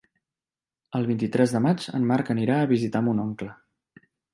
El vint-i-tres de maig en Marc anirà a visitar mon oncle.